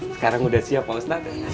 sekarang udah siap pak ustadz